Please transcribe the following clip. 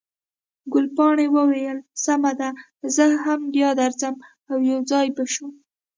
ګلپاڼې وویل، سمه ده، زه هم بیا درځم، او یو ځای به شو.